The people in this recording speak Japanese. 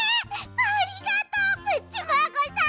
ありがとうプッチマーゴさん！